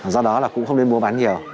do đó là cũng không nên mua bán nhiều